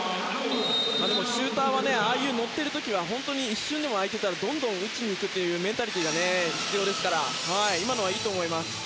でもシューターは乗っている時は一瞬でも空いていたらどんどん打ちに行くというメンタリティーが必要なのでいいと思います。